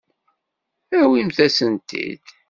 Awimt-asen-tent-id.